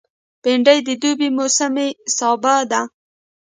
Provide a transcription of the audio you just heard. بېنډۍ د دوبي موسمي سابه دی